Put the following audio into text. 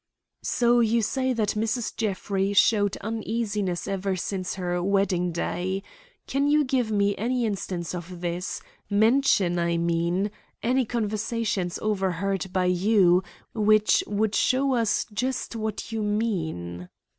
"So you say that Mrs. Jeffrey showed uneasiness ever since her wedding day. Can you give me any instance of this; mention, I mean, any conversations overheard by you which would show us just what you mean?"